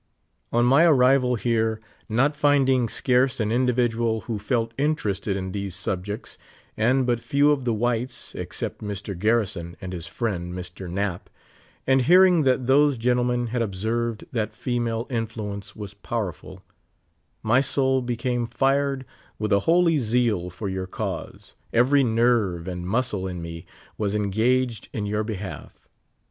On my arrival here, not finding scarce an individual who felt interested in these subjects, and but few of tlie whites, except Mr. Gar rison and his friend, Mr. Knap ; and hearing that those gentlemen had obser^ ed that female influence was power ful, my soul became fired with a hoh^ zeal for your cause ; every nerve and muscle in me was engaged in your be half.